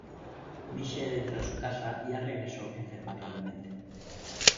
Michelle entra en su casa y, al regreso, enferma gravemente.